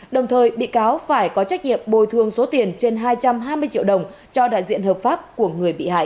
đồng thời bị cáo phải có trách nhiệm bồi thường số tiền trên hai trăm hai mươi triệu đồng cho đại diện hợp pháp của người bị hại